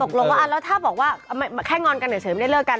ตกลงว่าแล้วถ้าบอกว่าแค่งอนกันเฉยไม่ได้เลิกกัน